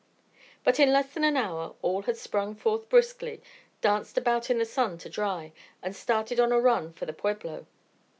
But in less than an hour all had sprung forth briskly, danced about in the sun to dry, and started on a run for the pueblo.